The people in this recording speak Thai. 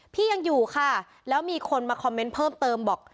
พี่ยังอยู่ค่ะแล้วมีคนมาคอมเมนต์เพิ่มเติมบอก